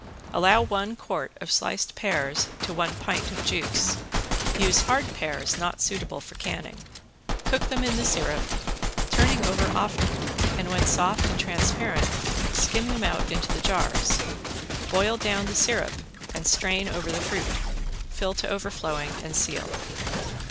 Allow one quart of sliced pears to one pint of juice. Use hard pears not suitable for canning. Cook them in the syrup, turning over often and when soft and transparent skim them out into the jars. Boil down the syrup and strain over the fruit. Fill to overflowing and seal.